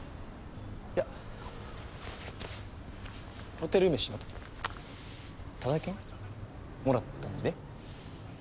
いやホテル飯のタダ券？もらったんで？